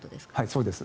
そうです。